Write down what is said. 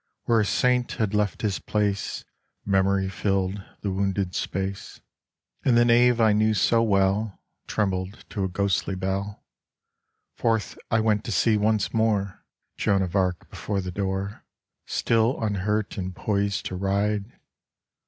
Where a saint had left his place Memory filled the wounded space, And the nave I knew so well Trembled to a ghostly bell. Forth I went to see once more Joan of Arc before the door Still unhurt and poised to ride.